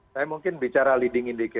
saya mungkin bicara leading indical